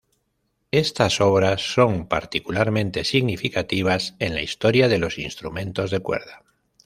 Estas obras son particularmente significativas en la historia de los instrumentos de cuerda.